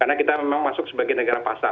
karena kita memang masuk sebagai negara pasar